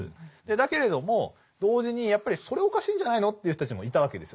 だけれども同時にやっぱりそれおかしいんじゃないのっていう人たちもいたわけですよね。